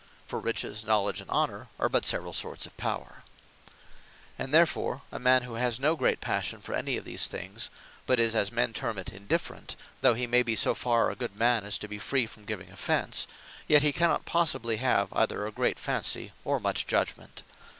For Riches, Knowledge and Honour are but severall sorts of Power. Giddinesse Madnesse And therefore, a man who has no great Passion for any of these things; but is as men terme it indifferent; though he may be so farre a good man, as to be free from giving offence; yet he cannot possibly have either a great Fancy, or much Judgement.